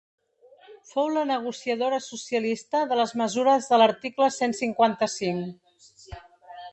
Fou la negociadora socialista de les mesures de l’article cent cinquanta-cinc.